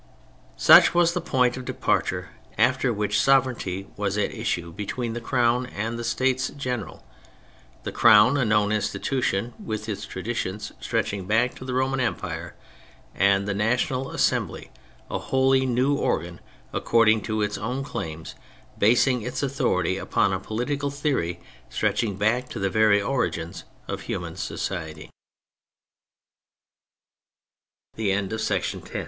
Such was the point of departure after which sovereignty was at issue between the Crown and the States General ; the Crown a known institution with its traditions stretch ing back to the Roman Empire, and the National Assembly a wholly new organ ac cording to its own claims, basing its authority upon a political theory stretching